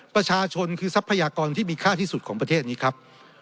ประชาชนคือทรัพยากรที่มีค่าที่สุดของประเทศนี้ครับ